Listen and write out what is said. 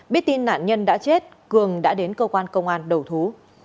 biết tin nạn nhân đã chết cường đã đến cơ quan công an đầu thú